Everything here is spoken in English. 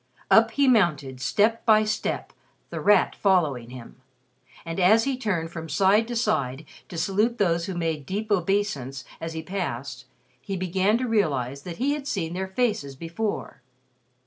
Up he mounted, step by step, The Rat following him. And as he turned from side to side, to salute those who made deep obeisance as he passed, he began to realize that he had seen their faces before.